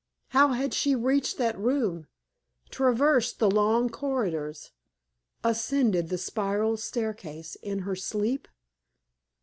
How had she reached that room, traversed the long corridors, ascended the spiral staircase in her sleep?